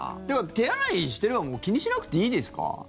手洗いしてればもう気にしなくていいですか？